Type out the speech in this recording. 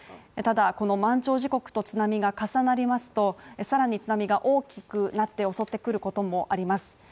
ただ、この満潮時刻と津波が重なりますとさらに津波が大きくなって襲ってくることもあります。